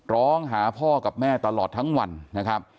ร้องหาพ่อกับแม่ตลอดทั้งวันนะครับ